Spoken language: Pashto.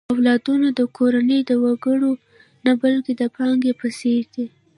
اولادونه د کورنۍ د وګړو نه، بلکې د پانګې په څېر دي.